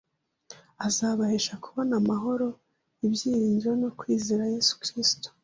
azabahesha kubona amahoro, ibyiringiro, no kwizera Yesu Kristo.